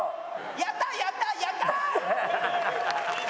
やったやったやったー！